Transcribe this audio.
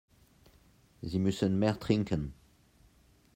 Sie müssen mehr trinken.